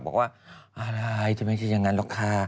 บอกว่าอะไรจะไม่ใช่อย่างนั้นหรอกค่ะ